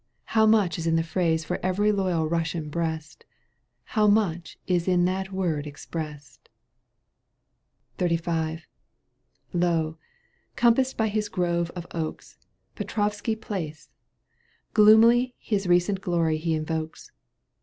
How much is in the phrase For every loyal Eussian breast ! How much is in that word expressed ! XXXV. Lo ! compassed by his grove of oaks, Petr6vski Palace I Gloomily His recent glory he invokes.